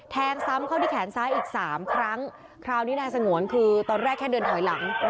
แทงซ้ำเข้าที่แขนซ้ายอีกสามครั้งคราวนี้นายสงวนคือตอนแรกแค่เดินถอยหลัง